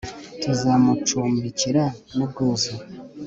Tuzamucumbikira nubwuzu